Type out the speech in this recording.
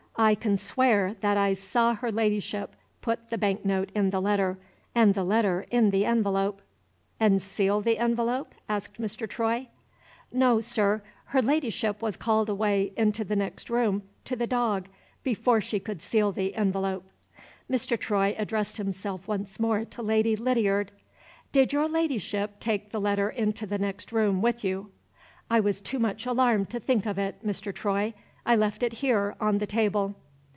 "I can swear that I saw her Ladyship put the bank note in the letter, and the letter in the envelope." "And seal the envelope?" asked Mr. Troy. "No, sir. Her Ladyship was called away into the next room to the dog, before she could seal the envelope." Mr. Troy addressed himself once more to Lady Lydiard. "Did your Ladyship take the letter into the next room with you?" "I was too much alarmed to think of it, Mr. Troy. I left it here, on the table."